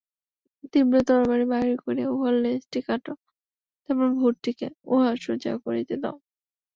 শীঘ্র তরবারি বাহির করিয়া উহার লেজটি কাটো, তারপর ভূতটিকে উহা সোজা করিতে দাও।